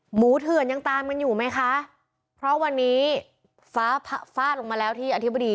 เถื่อนยังตามกันอยู่ไหมคะเพราะวันนี้ฟ้าฟาดลงมาแล้วที่อธิบดี